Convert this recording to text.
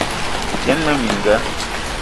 Yen mmee minga: